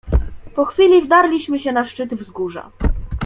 "Po chwili wdarliśmy się na szczyt wzgórza."